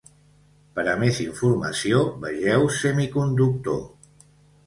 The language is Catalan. Per a més informació, vegeu semiconductor.